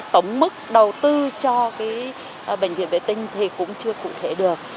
tổng mức đầu tư cho bệnh viện vệ tinh thì cũng chưa cụ thể được